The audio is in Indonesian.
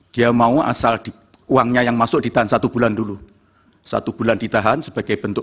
dia mau asal di uangnya yang masuk ditahan satu bulan dulu satu bulan ditahan sebagai bentuk